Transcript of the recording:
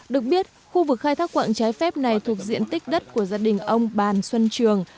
được biết khu vực khai thác quạng trái phép này thuộc diện tích đất của gia đình ông bàn xuân trường